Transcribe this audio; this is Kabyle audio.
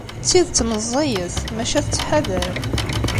D tidet meẓẓiyet, maca tettḥadar.